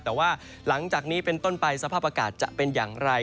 แต่ว่าหลังจากนี้เป็นต้นไปสภาพอากาศจะเป็นอย่างไร